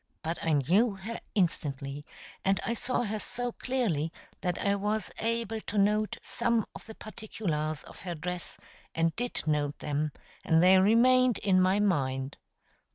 But I knew her instantly; and I saw her so clearly that I was able to note some of the particulars of her dress, and did note them, and they remained in my mind.